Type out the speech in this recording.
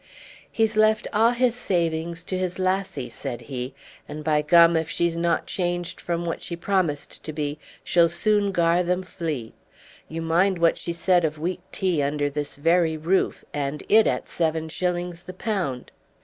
"He's left a' his savings to his lassie," said he, "and by gom if she's not changed from what she promised to be she'll soon gar them flee. You mind what she said of weak tea under this very roof, and it at seven shillings the pound!"